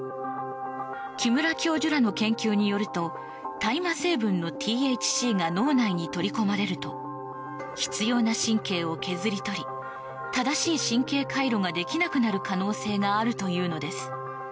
木村教授らの研究によると大麻成分のＴＨＣが脳内に取り込まれると必要な神経を削り取り正しい神経回路ができなくなる可能性があるというのです。